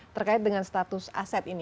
terkait dengan status aset ini